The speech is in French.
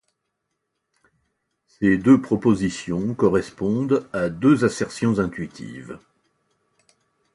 Ces deux propositions correspondent à deux assertions intuitives.